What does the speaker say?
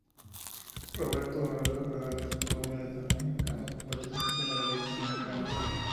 Roberto Donato Fernández fue un militar mexicano que participó en la Revolución mexicana.